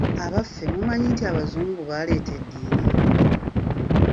Abaffe mumanyi nti abazungu baaleeta eddiini?